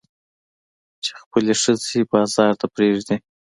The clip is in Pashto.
چې خپلې ښځې بازار ته پرېږدي.